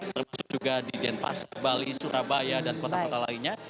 termasuk juga di denpasar bali surabaya dan kota kota lainnya